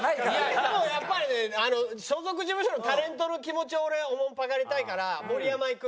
でもやっぱりね所属事務所のタレントの気持ちを俺はおもんぱかりたいから盛山いく。